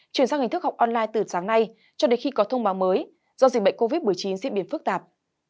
chuyển sang hình thức học online từ sáng nay cho đến khi có thông báo mới do dịch bệnh covid một mươi chín diễn biến phức tạp